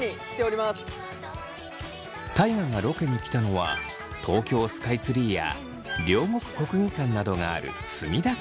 大我がロケに来たのは東京スカイツリーや両国国技館などがある墨田区。